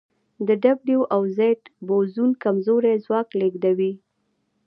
د ډبلیو او زیډ بوزون کمزوری ځواک لېږدوي.